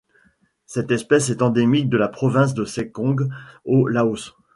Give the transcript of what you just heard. Cette espèce est endémique de la province de Sékong au Laos.